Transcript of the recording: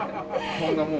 こんなもん。